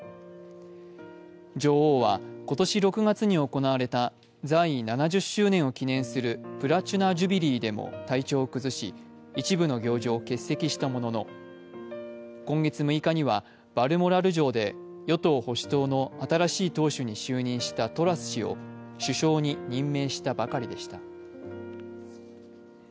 女王は今年６月に行われた在位７０周年を記念するプラチナ・ジュビリーでも体調を崩し一部の行事を欠席したものの今月６日にはバルモラル城で与党・保守党の新しい党首に就任したトラス氏を首相に任命したばかりでした。